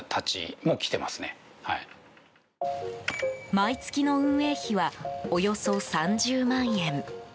毎月の運営費はおよそ３０万円。